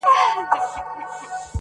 کرنه د مینې کار دی.